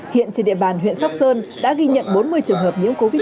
hiện trên địa bàn huyện sóc sơn đã ghi nhận bốn mươi trường hợp nhiễm covid một mươi chín